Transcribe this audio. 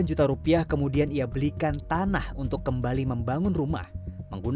uang dua puluh sembilan juta rupiah yang diberikan oleh pemerintah jatigede adalah keuntungan yang sempurna dan menyenangkan